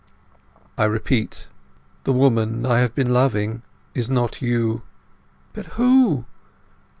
"I repeat, the woman I have been loving is not you." "But who?"